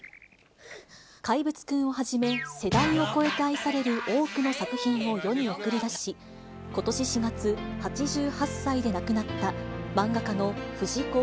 怪物くんをはじめ、世代を超えて愛される多くの作品を世に送り出し、ことし４月、８８歳で亡くなった漫画家の藤子